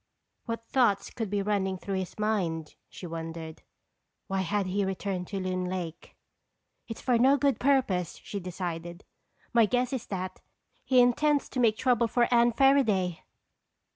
What thoughts could be running through his mind, she wondered? Why had he returned to Loon Lake? "It's for no good purpose," she decided. "My guess is that he intends to make trouble for Anne Fairaday!"